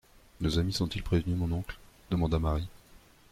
Nos amis sont-ils prévenus, mon oncle? demanda Marie.